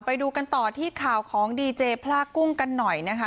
ไปดูกันต่อที่ข่าวของดีเจพลากุ้งกันหน่อยนะคะ